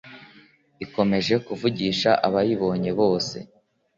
ikomeje kuvugisha abayibonye bose